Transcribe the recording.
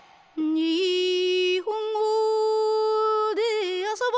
「にほんごであそぼ」